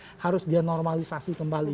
karena itu harus dia normalisasi kembali